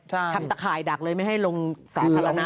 ทำตะข่ายดักเลยไม่ให้ลงสาธารณะ